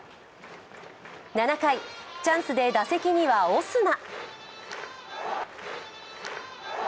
７回、チャンスで打席にはオスナ。